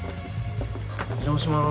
お邪魔します。